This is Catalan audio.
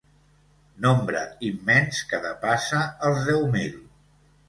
Nombre immens que depassa els deu mil.